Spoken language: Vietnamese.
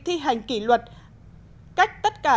thi hành kỷ luật cách tất cả